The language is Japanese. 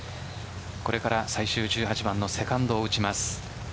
これから最終１８番のセカンドを打ちます。